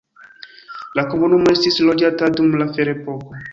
La komunumo estis loĝata dum la ferepoko.